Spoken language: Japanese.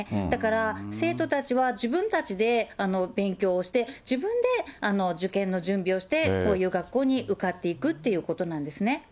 だから、生徒たちは自分たちで勉強をして、自分で受験の準備をして、こういう学校に受かっていくということなんですね。